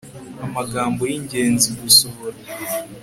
amagambo yi ngenzi gusohora